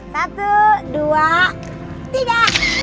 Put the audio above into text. satu dua tiga